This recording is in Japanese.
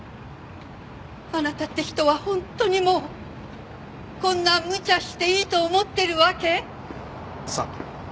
あなたって人は本当にもうこんなむちゃしていいと思ってるわけ？さあ。